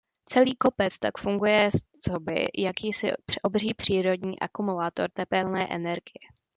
Celý kopec tak funguje coby jakýsi obří přírodní akumulátor tepelné energie.